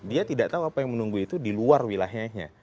dia tidak tahu apa yang menunggu itu di luar wilayahnya